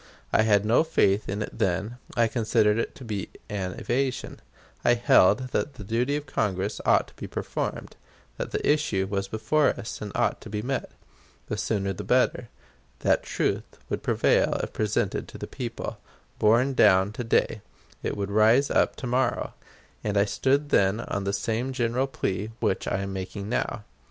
I had no faith in it then; I considered it an evasion; I held that the duty of Congress ought to be performed; that the issue was before us, and ought to be met, the sooner the better; that truth would prevail if presented to the people; borne down to day, it would rise up to morrow; and I stood then on the same general plea which I am making now.